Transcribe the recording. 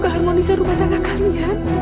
keharmonisan rumah tangga kalian